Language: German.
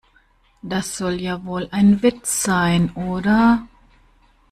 Das soll ja wohl ein Witz sein, oder?